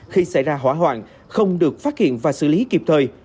khi xảy ra hỏa hoạn không được phát hiện và xử lý kịp thời